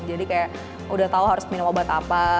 jadi kayak udah tau harus minum obat apa